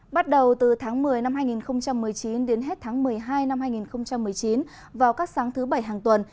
bắt đầu từ tháng một mươi năm hai nghìn một mươi chín đến hết tháng một mươi hai năm hai nghìn một mươi chín vào các sáng thứ bảy hàng tuần